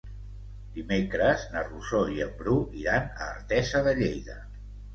Dimecres na Rosó i en Bru iran a Artesa de Lleida.